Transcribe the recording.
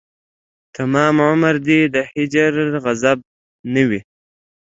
تمام عمر دې د هجر غضب نه وي